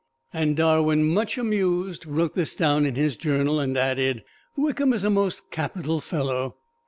And Darwin, much amused, wrote this down in his journal, and added, "Wickham is a most capital fellow."